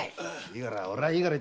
俺はいいから。